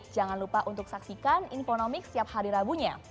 jangan lupa untuk saksikan infonomik setiap hari rabunya